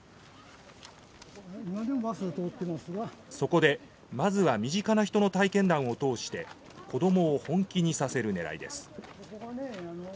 そこでまずは身近な人の体験談を通して子どもを本気にさせるねらいです。